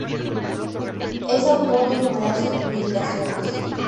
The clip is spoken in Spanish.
Es autor de numerosas publicaciones.